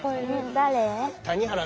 誰？